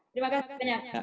terima kasih banyak